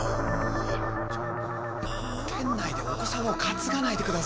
店内でお子さまをかつがないでください。